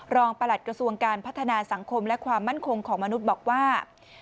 ประหลัดกระทรวงการพัฒนาสังคมและความมั่นคงของมนุษย์บอกว่า